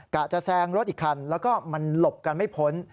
จะแซงรถอีกคันแล้วก็มันหลบกันไม่พ้น